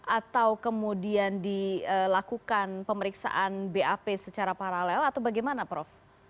atau kemudian dilakukan pemeriksaan bap secara paralel atau bagaimana prof